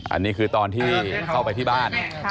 อันนี้คือตอนที่เข้าไปที่บ้าน